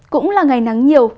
cũng là ngày nắng nhiều